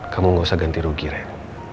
kamu gak usah ganti rugi rek